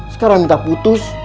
sekarang minta putus